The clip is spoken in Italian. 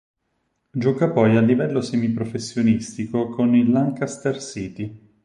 Gioca poi a livello semiprofessionistico con il Lancaster City.